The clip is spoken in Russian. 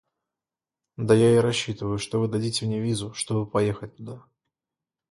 Да я и рассчитываю, что вы дадите мне визу, чтобы поехать туда.